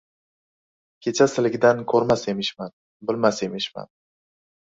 Kechasiligidan ko‘rmas emishman, bilmas emishman.